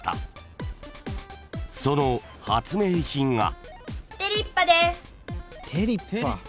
［その発明品が］